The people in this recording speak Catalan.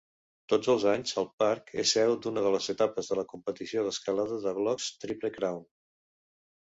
Tots els anys, el parc és seu d'una de les etapes de la competició d'escalada de blocs "Triple Crown".